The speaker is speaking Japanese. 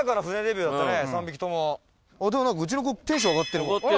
でも何かうちの子テンション上がってる。